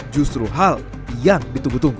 justru hal yang ditunggu tunggu